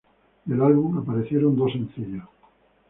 Del álbum aparecieron dos sencillos.